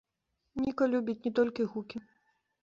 Ніка любіць не толькі гукі.